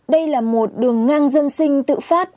đây là một đường ngang dân sinh tự phát